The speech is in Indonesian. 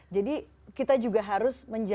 jadi kita juga harus menjaga